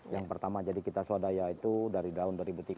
yang pertama jadi kita swadaya itu dari penduduk penduduk